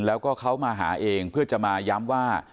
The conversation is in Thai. แล้วก็เขามาหาเองเพื่อจะมาย้ำว่า